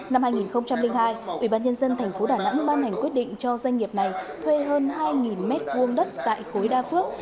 năm hai nghìn hai ủy ban nhân dân thành phố đà nẵng ban hành quyết định cho doanh nghiệp này thuê hơn hai mét vuông đất tại khối đa phước